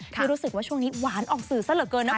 ที่รู้สึกว่าช่วงนี้หวานออกสื่อซะเหลือเกินนะคุณ